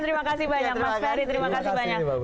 terima kasih banyak mas ferry terima kasih banyak